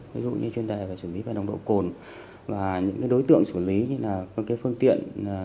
ví dụ như chuyên đề về xử lý về nồng độ cồn và những đối tượng xử lý như là phương tiện